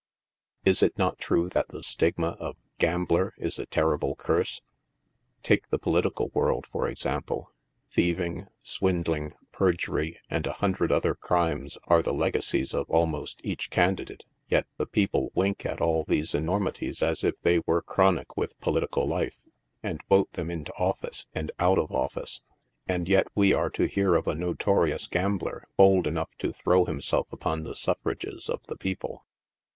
Is it not true that the stigma of Gambler is a terrible curse ? Take the political world, for example — thiev ing, swindling, perjury and a hundred other crimes, are the legacies of almost each candidate, yet the people wink at all these enormi ties as if they were chronic with political life, and vote them into office and out of office. And yet we are to hear of a notorious gam bler bold enough to throw himself upon the suffrages of the people.